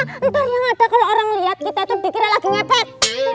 ntar yang ada kalo orang liat kita tuh dikira lagi ngepet